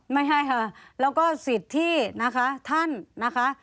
ไม่ให้ค่ะแล้วก็สิทธินะคะท่านนะคะ